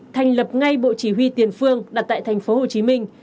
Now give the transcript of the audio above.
thành lập ngay bộ chỉ huy tiền phương đặt tại thành phố hồ chí minh